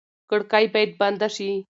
کړکۍ باید بنده شي.